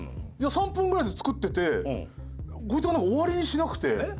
３分ぐらいで作っててこいつがなんか終わりにしなくて。